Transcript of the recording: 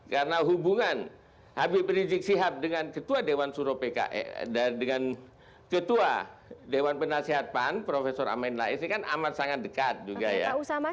karena hubungan habib rizieq sihab dengan ketua dewan penasehat pan prof amin rais ini kan amat sangat dekat juga ya